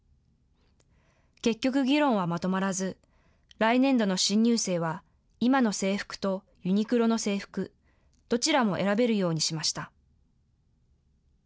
結局議論はまとまらず、来年度の新入生は、今の制服とユニクロの制服、どちらも選べるようにしました。